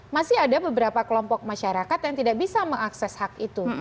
masih ada beberapa kelompok masyarakat yang tidak bisa mengakses hak itu